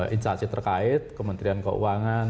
instasi terkait kementerian keuangan